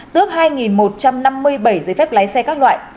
tước hai một trăm năm mươi bảy giấy phép lái xe các loại